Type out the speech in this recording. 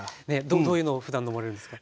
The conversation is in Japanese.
どういうのをふだん飲まれるんですか？